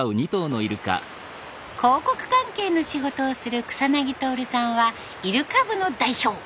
広告関係の仕事をする草薙徹さんはイルカ部の代表。